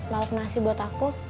laut nasi buat aku